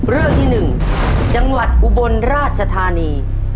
เรื่องที่๑จังหวัดอุบลราชธานี